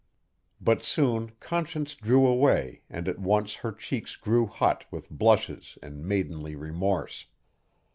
But soon Conscience drew away and at once her cheeks grew hot with blushes and maidenly remorse.